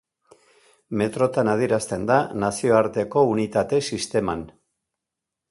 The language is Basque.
Metrotan adierazten da Nazioarteko Unitate Sisteman.